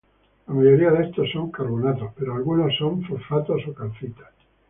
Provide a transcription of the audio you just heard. La mayoría de estos son carbonatos, pero algunos son fosfatos o calcita.